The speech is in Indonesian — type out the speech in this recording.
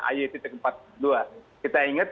ayi tiga empat dua kita ingat